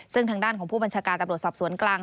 ซึ่งทางด้านของผู้บัญชาการตำรวจสอบสวนกลาง